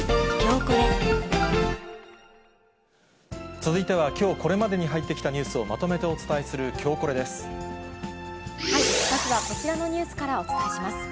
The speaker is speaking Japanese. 続いては、きょうこれまでに入ってきたニュースをまとめてお伝えするきょうまずはこちらのニュースからお伝えします。